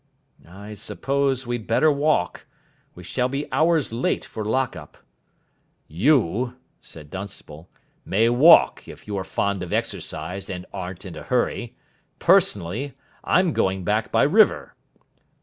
"I suppose we'd better walk. We shall be hours late for lock up." "You," said Dunstable, "may walk if you are fond of exercise and aren't in a hurry. Personally, I'm going back by river."